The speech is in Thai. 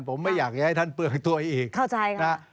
ผมไม่อยากจะให้ท่านเปลือยตัวอีกเข้าใจค่ะ